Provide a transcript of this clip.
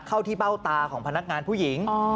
เข้าที่เบ้าตาของพนักงานผู้หญิง